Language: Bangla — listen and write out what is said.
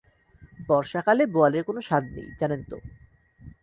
বর্ষাকালে বোয়ালের কোনো স্বাদ নেই জানেন তো?